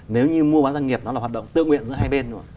nếu như mua bán doanh nghiệp nó là hoạt động tự nguyện giữa hai bên